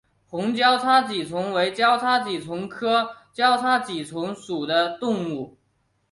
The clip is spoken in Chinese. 红交叉棘虫为交叉棘虫科交叉棘虫属的动物。